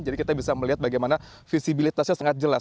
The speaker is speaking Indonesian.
jadi kita bisa melihat bagaimana visibilitasnya sangat jelas